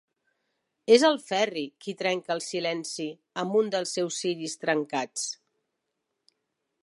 És el Ferri qui trenca el silenci amb un dels seus ciris trencats.